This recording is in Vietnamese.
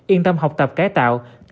yên tâm học tập cải tạo